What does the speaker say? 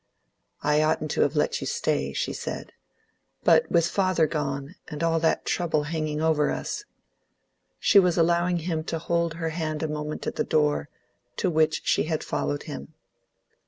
"I oughtn't to have let you stay," she said. "But with father gone, and all that trouble hanging over us " She was allowing him to hold her hand a moment at the door, to which she had followed him.